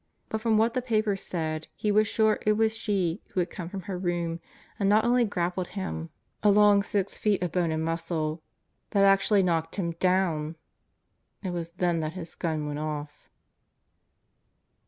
But from what the papers said he was sure it was she who had come from her room and not only grappled him a long six feet of bone and muscle but actually knocked him down! It was then that his gun went off.